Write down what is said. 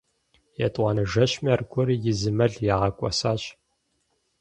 Етӏуанэ жэщми аргуэру и зы мэл ягъэкӏуэсащ.